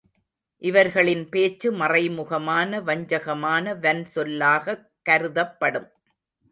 இவர்களின் பேச்சு மறைமுகமான வஞ்சகமான வன்சொல்லாகக் கருதப்படும்.